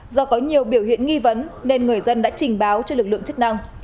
do có nhiều biểu hiện nghi vấn nên người dân đã trình báo cho lực lượng chức năng